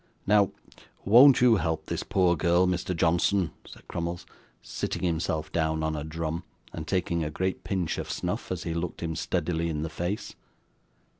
Now, won't you help this poor girl, Mr. Johnson?' said Crummles, sitting himself down on a drum, and taking a great pinch of snuff, as he looked him steadily in the face.